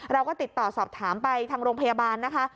เราก็ติดต่อสอบถามไปทางโรงพยาบาลนะคะ